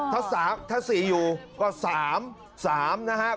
ถ้าสามถ้าสี่อยู่ก็สามสามนะฮะ